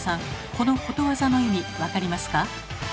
このことわざの意味分かりますか？